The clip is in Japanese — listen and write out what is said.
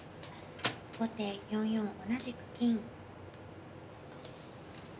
後手４四同じく金。